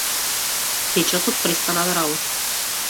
Печатачот престана да работи.